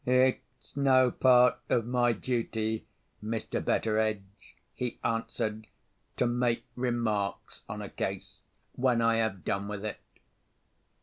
"It's no part of my duty, Mr. Betteredge," he answered, "to make remarks on a case, when I have done with it."